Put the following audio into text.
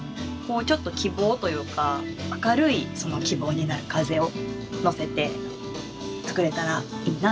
ちょっと希望というか明るい希望になる風をのせて作れたらいいな。